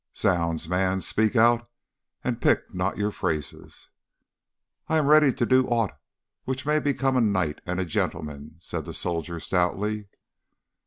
Zounds, man, speak out, and pick not your phrases.' "'I am ready to do aught which may become a knight and a gentleman,' said the soldier stoutly.